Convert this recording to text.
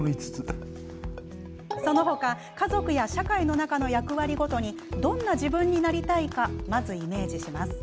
その他家族や社会の中の役割ごとにどんな自分になりたいかまずイメージします。